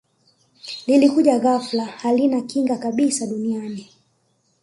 lilikuja ghafla halina kinga kabisa duniani